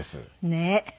ねえ。